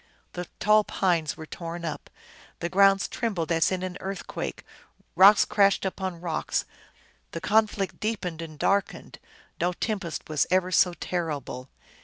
The tall pines were torn up, the ground trembled as in an earthquake, rocks crashed upon rocks, the conflict deepened and darkened ; no tem pest was ever so terrible.